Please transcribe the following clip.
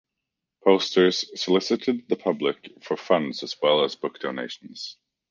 Posters solicited the public for funds as well as book donations.